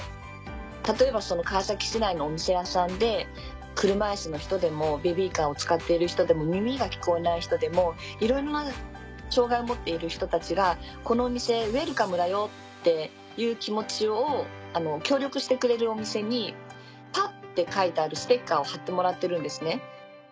例えば川崎市内のお店屋さんで車いすの人でもベビーカーを使っている人でも耳が聞こえない人でもいろいろな障がいを持っている人たちが「このお店ウエルカムだよ」っていう気持ちを協力してくれるお店に「パ」って書いてあるステッカーを貼ってもらってるんですね。